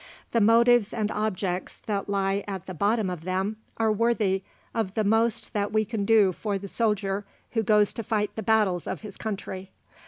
The motives and objects that lie at the bottom of them are worthy of the most that we can do for the soldier who goes to fight the battles of his country.